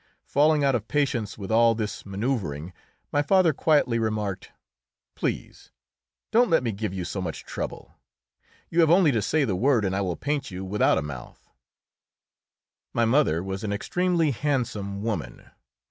Falling out of patience with all this maneuvering, my father quietly remarked: "Please don't let me give you so much trouble. You have only to say the word and I will paint you without a mouth." My mother was an extremely handsome woman.